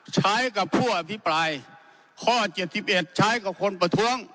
ใช้กับผู้อภิปรายข้อเจ็ดสิบเอ็ดใช้กับคนประท้วง